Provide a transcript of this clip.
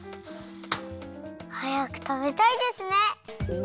はやくたべたいですね。